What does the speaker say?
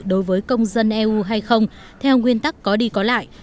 đối với công dân eu hay không theo nguyên tắc có đi có lại